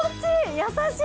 優しい！